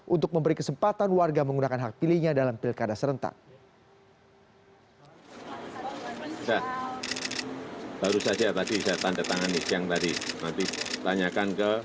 untuk memberi kesempatan warga menggunakan hak pilihnya dalam pilkada serentak